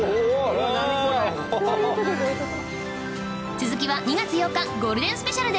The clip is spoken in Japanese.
続きは２月８日ゴールデンスペシャルで